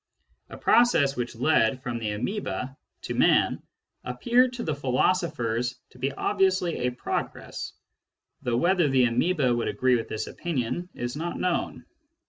A process which led from the amoeba to man appeared to the philosophers to be obviously a progress — though whether the amoeba would agree with this opinion is not known.